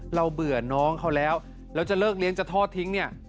เบื่อน้องเขาแล้วแล้วจะเลิกเลี้ยงจะทอดทิ้งเนี่ย